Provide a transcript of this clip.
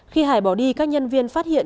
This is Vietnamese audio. khi hải bỏ đi các nhân viên phát hiện